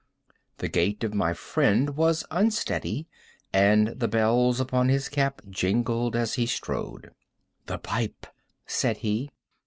The gait of my friend was unsteady, and the bells upon his cap jingled as he strode. "The pipe," said he.